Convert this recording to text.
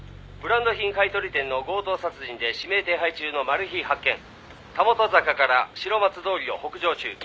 「ブランド品買取店の強盗殺人で指名手配中のマルヒ発見」「袂坂から白松通りを北上中」